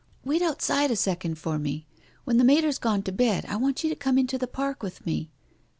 "Wait outside a second for me. When the Mater's gone to bed I want you to come into the Park with me."